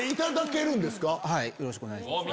よろしくお願いします。